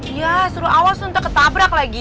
dia suruh awas untuk ketabrak lagi